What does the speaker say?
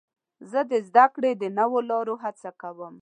زه د زدهکړې د نوو لارو هڅه کوم.